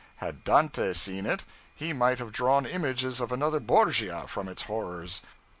Had Dante seen it, he might have drawn images of another Borgia from its horrors.